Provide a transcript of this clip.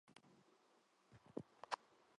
飜訳者はやはり善意の（まさか悪意のではあるまい）叛逆者